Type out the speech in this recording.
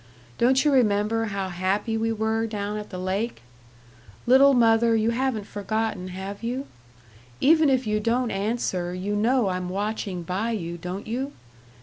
Don't you remember how happy we were down at the lake? Little mother, you haven't forgotten, have you? Even if you don't answer, you know I'm watching by you, don't you?